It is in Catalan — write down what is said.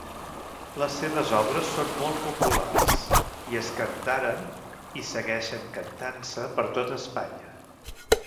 Les seves obres són molt populars, i es cantaren i segueixen cantant-se per tota Espanya.